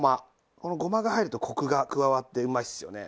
このごまが入るとコクが加わってうまいですよね。